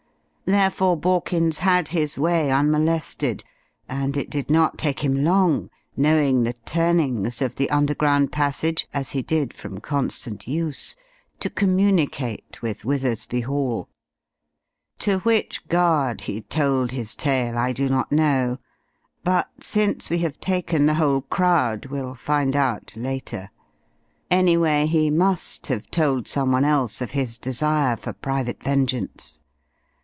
Therefore Borkins had his way unmolested, and it did not take him long, knowing the turnings of the underground passage as he did from constant use to communicate with Withersby Hall. To which guard he told his tale I do not know, but, since we have taken the whole crowd we'll find out later. Anyway, he must have told someone else of his desire for private vengeance.